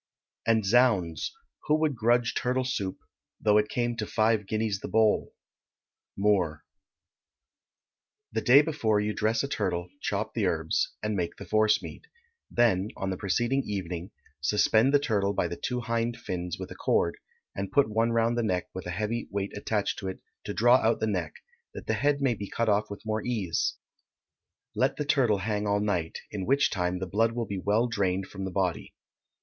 And, zounds! who would grudge Turtle soup, though it came to five guineas the bowl? MOORE. The day before you dress a turtle, chop the herbs, and make the forcemeat; then, on the preceding evening, suspend the turtle by the two hind fins with a cord, and put one round the neck with a heavy weight attached to it to draw out the neck, that the head may be cut off with more ease; let the turtle hang all night, in which time the blood will be well drained from the body.